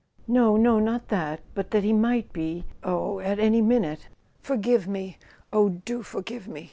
"No, no, not that; but that he might be—oh, at any minute! Forgive me—oh, do forgive me!